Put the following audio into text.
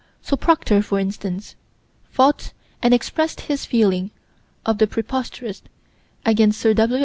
So Proctor, for instance, fought and expressed his feeling of the preposterous, against Sir W.